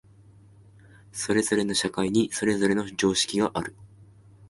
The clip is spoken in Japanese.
それぞれの社会にそれぞれの常識がある。